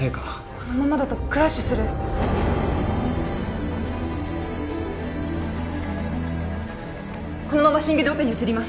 このままだとクラッシュするこのまま心外でオペに移ります